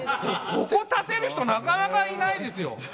ここ立てる人なかなかいないですよ。